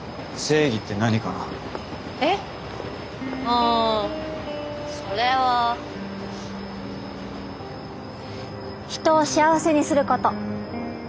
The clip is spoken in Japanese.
うんそれは人を幸せにすること。